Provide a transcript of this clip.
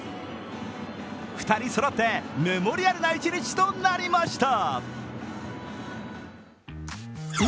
２人そろってメモリアルな一日となりました。